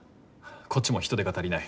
こっちも人手が足りない。